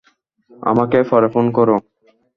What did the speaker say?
আমাকে পরে ফোন করো।